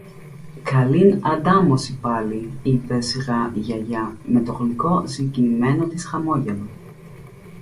Καλήν αντάμωση πάλι, είπε σιγά η Γιαγιά, με το γλυκό συγκινημένο της χαμόγελο.